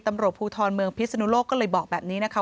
ตำรวจภูทรเมืองพิศนุโลกก็เลยบอกแบบนี้นะคะ